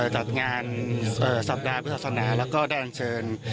จัดงานสัปดาห์ภิกษาศนาและก็ได้อังเชิญ